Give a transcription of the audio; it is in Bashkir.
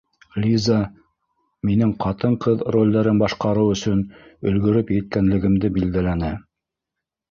Лиза - минең ҡатын-ҡыҙ ролдәрен башҡарыу өсөн өлгөрөп еткәнлегемде билдәләне.